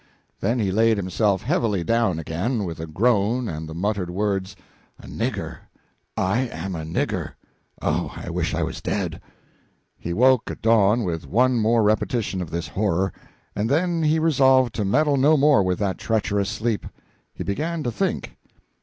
Then he laid himself heavily down again, with a groan and the muttered words, "A nigger! I am a nigger! Oh, I wish I was dead!" He woke at dawn with one more repetition of this horror, and then he resolved to meddle no more with that treacherous sleep. He began to think.